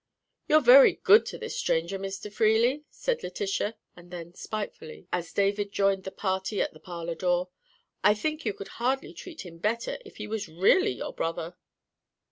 "You're very good to this stranger, Mr. Freely," said Letitia; and then spitefully, as David joined the party at the parlour door, "I think you could hardly treat him better, if he was really your brother."